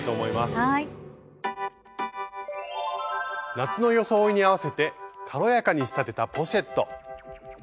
夏の装いに合わせて軽やかに仕立てたポシェット。